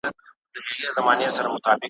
دلته به کور وي د ظالمانو ,